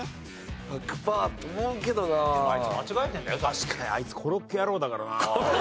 確かにあいつコロッケ野郎だからな。